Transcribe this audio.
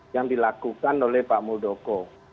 yang dilakukan oleh pak muldoko